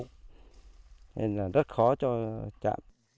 nên là rất khó cho trả